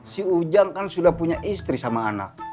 si ujang kan sudah punya istri sama anak